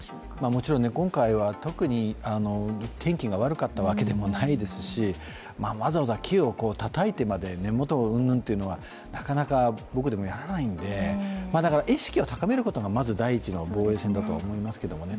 もちろん今回は特に天気が悪かったわけでもないですし、わざわざ木をたたいてまで根元をうんぬんというのはなかなか僕でもやらないんで、意識を高めることが第一の防衛線だとは思いますけどね。